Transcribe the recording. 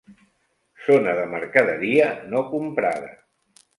Zona de mercaderia no comprada.